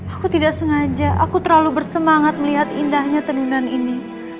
aku tidak sengaja aku terlalu bersemangat melihat indahnya tenunan ini